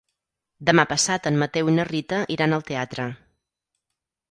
Demà passat en Mateu i na Rita iran al teatre.